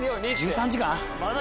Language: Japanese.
１３時間？